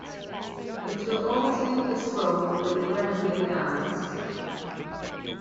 It will alternate this role with the Grenadier Guards.